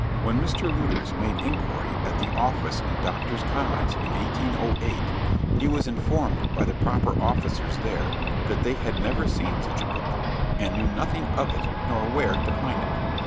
When Mr. Luders made enquiry at the office in Doctors' Commons, in 1808, he was informed by the proper officers there, that they had never seen such book, and knew nothing of it, nor where to find it.